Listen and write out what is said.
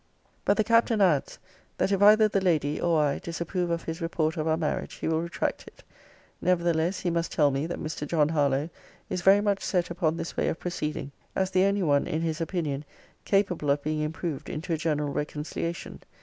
But the Captain adds, 'that if either the lady or I disapprove of his report of our marriage, he will retract it. Nevertheless, he must tell me, that Mr. John Harlowe is very much set upon this way of proceeding; as the only one, in his opinion, capable of being improved into a general reconciliation.